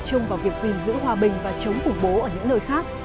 tập trung vào việc gìn giữ hòa bình và chống khủng bố ở những nơi khác